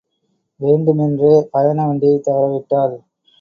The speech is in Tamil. வேண்டுமென்றே பயண வண்டியைத் தவறவிட்டாள்.